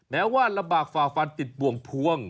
แม้ว่าระบากฝ่าฟันติดปวงพวง